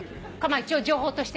一応情報としてね。